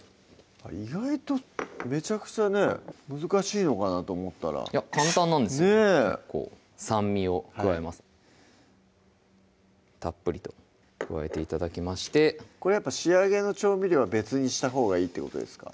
意外とめちゃくちゃね難しいのかなと思ったらいや簡単なんですよねぇ酸味を加えますたっぷりと加えて頂きましてこれやっぱ仕上げの調味料は別にしたほうがいいってことですか？